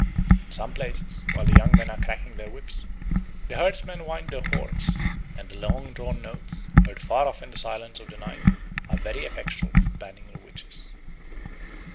In some places, while the young men are cracking their whips, the herdsmen wind their horns, and the long drawn notes, heard far off in the silence of night, are very effectual for banning the witches.